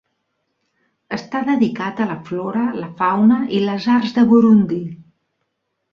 Està dedicat a la flora, la fauna i les arts de Burundi.